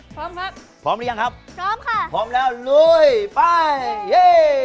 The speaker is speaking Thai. พร้อมครับพร้อมหรือยังครับพร้อมค่ะพร้อมแล้วลุยไปเย่